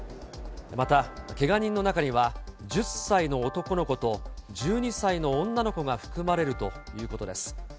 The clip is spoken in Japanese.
またけが人の中には、１０歳の男の子と１２歳の女の子が含まれるということです。